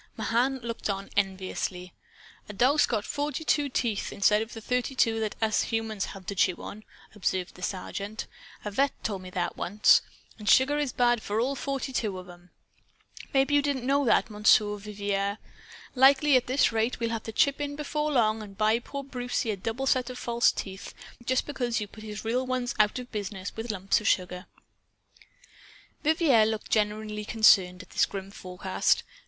Mahan looked on, enviously. "A dog's got forty two teeth, instead of the thirty two that us humans have to chew on," observed the Sergeant. "A vet' told me that once. And sugar is bad for all forty two of 'em. Maybe you didn't know that, Monsoo Vivier? Likely, at this rate, we'll have to chip in before long and buy poor Brucie a double set of false teeth. Just because you've put his real ones out of business with lumps of sugar!" Vivier looked genuinely concerned at this grim forecast.